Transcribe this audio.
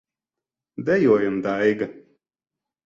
Dejojam, Daiga!